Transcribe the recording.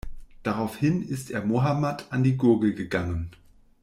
Daraufhin ist er Mohammad an die Gurgel gegangen.